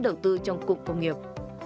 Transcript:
đầu tư trong cụm công nghiệp